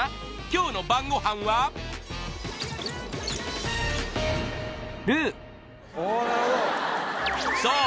今日の晩ご飯はそう！